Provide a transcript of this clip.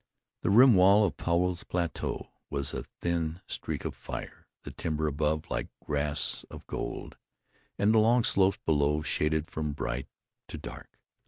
The rim wall of Powell's Plateau was a thin streak of fire; the timber above like grass of gold; and the long slopes below shaded from bright to dark.